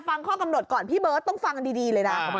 ฟังข้อกำหนดก่อนพี่เบิร์ตต้องฟังดีเลยนะ